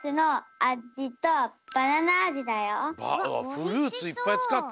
フルーツいっぱいつかって。